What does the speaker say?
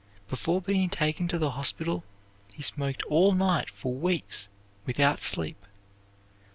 Before being taken to the hospital he smoked all night for weeks without sleep.